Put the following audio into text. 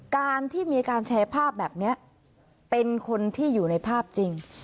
การที่มีการแชร์ภาพแบบนี้เป็นคนที่อยู่ในภาพจริง